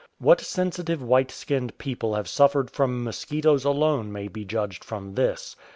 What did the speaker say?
\ATiat sensitive white skinned people have suffered from mosquitoes alone may be judged from this.